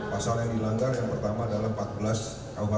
pasal yang dilanggar yang pertama adalah empat belas kuhp